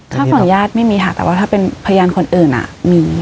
ถ้าฝั่งญาติไม่มีค่ะแต่ว่าถ้าเป็นพยานคนอื่นมี